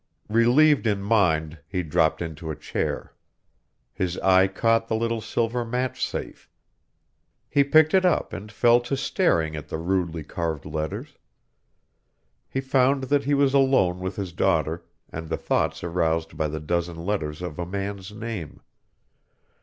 Relieved in mind, he dropped into a chair. His eye caught the little silver match safe. He picked it up and fell to staring at the rudely carved letters. He found that he was alone with his daughter and the thoughts aroused by the dozen letters of a man's name.